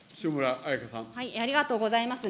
ありがとうございます。